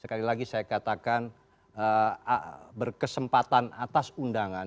sekali lagi saya katakan berkesempatan atas undangan